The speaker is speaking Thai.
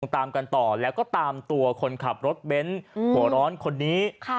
ตามกันต่อแล้วก็ตามตัวคนขับรถเบ้นหัวร้อนคนนี้